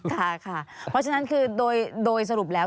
ค่ะค่ะเพราะฉะนั้นคือโดยสรุปแล้ว